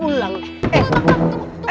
tunggu tunggu tunggu